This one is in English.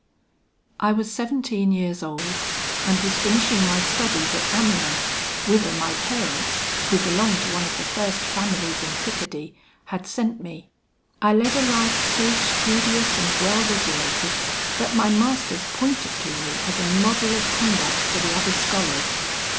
"I was seventeen years old, and was finishing my studies at Amiens, whither my parents, who belonged to one of the first families in Picardy, had sent me. I led a life so studious and well regulated, that my masters pointed to me as a model of conduct for the other scholars.